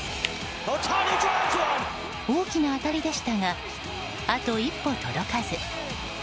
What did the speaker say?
大きな当たりでしたがあと一歩届かず。